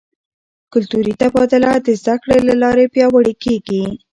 کلتوري تبادله د زده کړې له لارې پیاوړې کیږي.